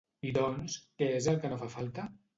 I doncs, què és el que no fa falta?